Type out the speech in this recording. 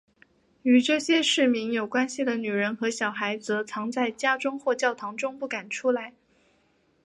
与这些市民有关系的女人和小孩则藏在家中或教堂中不敢出来。